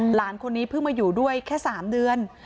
หลานคนนี้เพิ่งมาอยู่ด้วยแค่๓เดือน